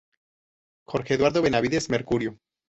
Jorge Eduardo Benavides, Mercurio.